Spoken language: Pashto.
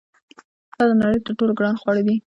دا د نړۍ تر ټولو ګران خواړه دي.